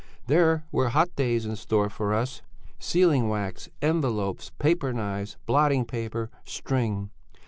There were hot days in store for us. Sealing wax, envelopes, paper knives, blotting paper, string.